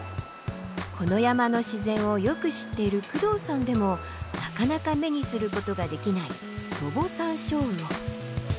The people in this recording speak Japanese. この山の自然をよく知っている工藤さんでもなかなか目にすることができないソボサンショウウオ。